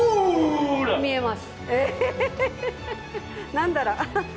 何だろう？